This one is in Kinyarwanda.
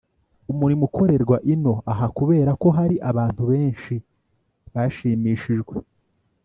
Umurimo Ukorerwa Ino Aha Kubera Ko Hari Abantu Benshi Bashimishijwe